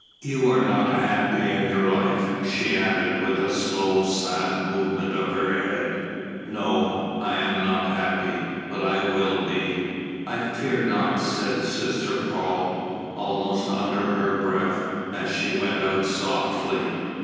"You are not happy in your life," she added, with a slow, sad movement of her head. "No I am not happy. But I will be." "I fear not," said Sister Paul, almost under her breath, as she went out softly.